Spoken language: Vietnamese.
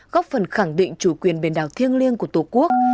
góp phần khẳng định chủ quyền biển đảo thiêng liêng của tổ quốc